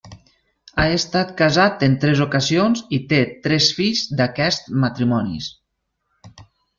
Ha estat casat en tres ocasions i té tres fills d'aquests matrimonis.